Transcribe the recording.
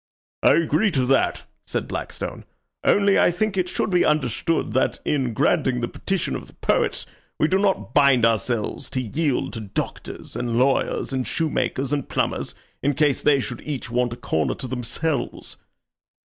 "I agree to that," said Blackstone. "Only I think it should be understood that, in granting the petition of the poets, we do not bind ourselves to yield to doctors and lawyers and shoemakers and plumbers in case they should each want a corner to themselves."